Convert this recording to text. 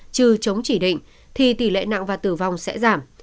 trừ chống chỉ định thì tỷ lệ nặng và tử vong sẽ giảm